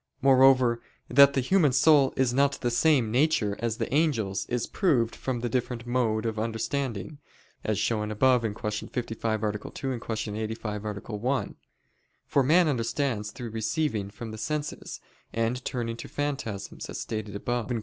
Moreover, that the human soul is not of the same nature as the angels, is proved from the different mode of understanding, as shown above (Q. 55, A. 2; Q. 85, A. 1): for man understands through receiving from the senses, and turning to phantasms, as stated above (Q.